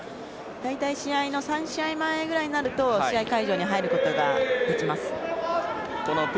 大体３試合前ぐらいになると試合会場に入ることができます。